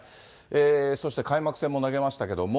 そして開幕戦も投げましたけれども。